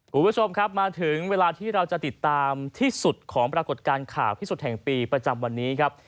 คุณผู้ชมครับมาถึงเวลาที่เราจะติดตามที่สุดของปรากฏการณ์ข่าวที่สุดแห่งปีประจำวันนี้ครับ